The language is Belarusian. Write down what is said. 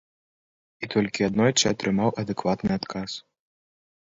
І толькі аднойчы атрымаў адэкватны адказ.